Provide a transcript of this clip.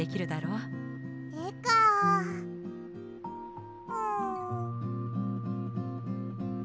うん。